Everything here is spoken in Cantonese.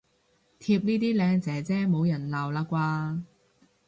貼呢啲靚姐姐冇人鬧喇啩